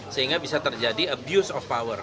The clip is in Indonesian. sehingga bisa terjadi abuse of power